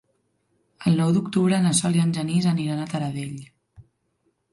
El nou d'octubre na Sol i en Genís aniran a Taradell.